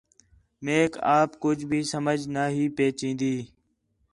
میک آپ کُج بھی سمجھ نا ہی پی چین٘دی